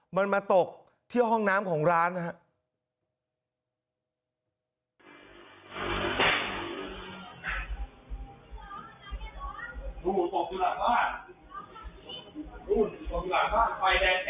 มันมาตกที่ห้องน้ำของร้านนะครับ